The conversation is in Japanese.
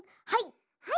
はい！